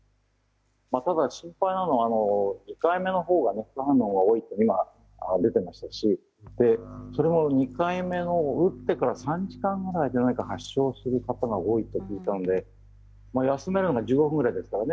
ただ心配なのは２回目のほうが副反応が多いと出ていましたしそれも２回目に打ってから３時間ぐらいで発症する方が多いと聞いたので休めるのは１５分ぐらいですからね